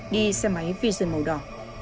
đi xe máy vision màu đỏ